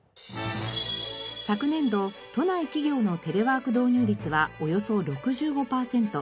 昨年度都内企業のテレワーク導入率はおよそ６５パーセント。